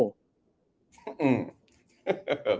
อืม